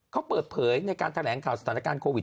เขาเปิดเผยในการแถลงข่าวสถานการณ์โควิด